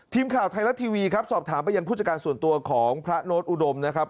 ทีมข่าวไทยรัฐทีวีครับสอบถามไปยังผู้จัดการส่วนตัวของพระโน้ตอุดมนะครับ